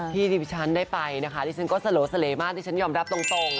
ที่ดิฉันได้ไปนะคะดิฉันก็สโลเสร่มากดิฉันยอมรับตรง